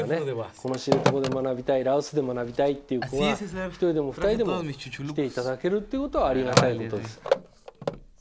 この知床で学びたい羅臼で学びたいっていう子が１人でも２人でも来ていただけるっていうことはありがたいことです。